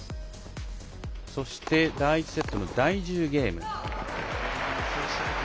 そして第１セットの第１０ゲーム。